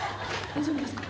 大丈夫ですか？